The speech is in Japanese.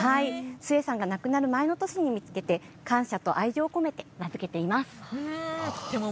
壽衛さんが亡くなる前の年に感謝と愛情込めて付けています。